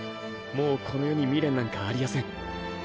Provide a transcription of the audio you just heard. もうこの世に未練なんかありやせん。